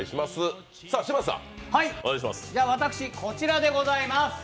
私、こちらでございます！